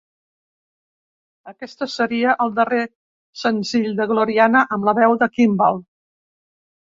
Aquest seria el darrer senzill de Gloriana amb la veu de Kimball.